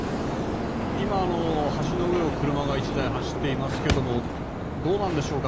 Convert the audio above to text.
今、橋の上を車が１台走っていますけれどもどうなんでしょうか